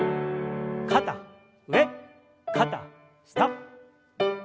肩上肩下。